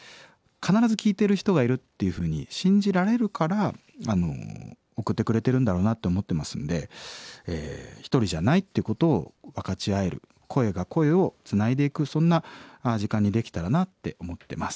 必ず聴いてる人がいるっていうふうに信じられるから送ってくれてるんだろうなと思ってますんで一人じゃないっていうことを分かち合える声が声をつないでいくそんな時間にできたらなって思ってます。